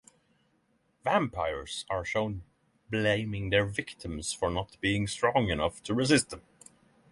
Vampires are shown blaming their victims for not being strong enough to resist them.